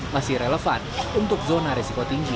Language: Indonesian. masih relevan untuk zona risiko tinggi